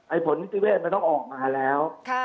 ไอ้ผลพิเวศมันต้องออกมาแล้ว